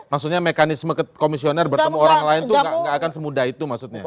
maksudnya mekanisme komisioner bertemu orang lain itu nggak akan semudah itu maksudnya